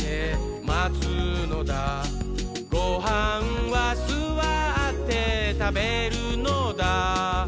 「ごはんはすわってたべるのだ」